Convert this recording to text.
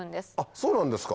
そうなんですか。